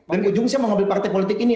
dan ujung saya mau ngambil partai politik ini